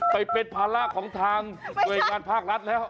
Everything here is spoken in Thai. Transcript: ไปเป็นภาระของทางหน่วยงานภาครัฐแล้ว